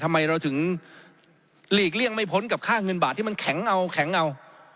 ทำไมเราถึงหลีกเลี่ยงไม่พ้นกับค่าเงินบาทที่มันแข็งเอาแข็งเอา